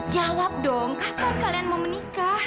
jawab dong kapan kalian mau menikah